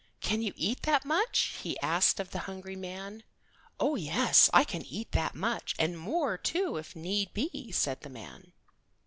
"Can you eat that much?" he asked of the hungry man. "Oh, yes, I can eat that much, and more, too, if need be," said the man.